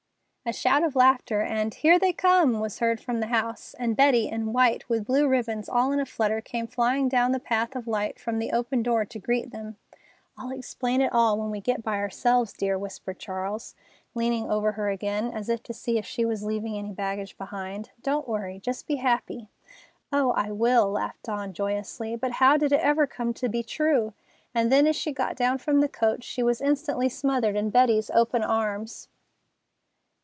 A shout of laughter, and, "Here they come!" was heard from the house, and Betty, in white, with blue ribbons all in a flutter, came flying down the path of light from the open door to greet them. "I'll explain it all when we get by ourselves, dear," whispered Charles, leaning over her again, as if to see if she was leaving any baggage behind. "Don't worry. Just be happy." "Oh, I will!" laughed Dawn joyously. "But how did it ever come to be true?" And then as she got down from the coach she was instantly smothered in Betty's open arms.